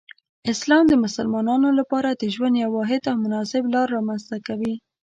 اسلام د مسلمانانو لپاره د ژوند یو واحد او مناسب لار رامنځته کوي.